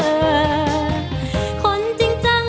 ทั้งในเรื่องของการทำงานเคยทำนานแล้วเกิดปัญหาน้อย